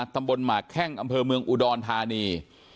หมากแข้งอำเภอเมืองอุดรธานี